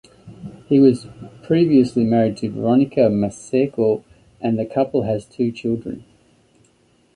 He was previously married to Veronica Maseko and the couple has two children.